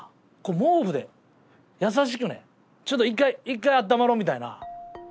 毛布で優しくねちょっと一回一回あったまろうみたいな。